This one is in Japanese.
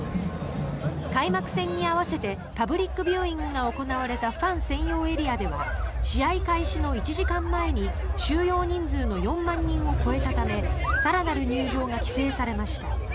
開幕戦に併せてパブリックビューイングが行われたファン専用エリアでは試合開始の１時間前に収容人数の４万人を超えたため更なる入場が規制されました。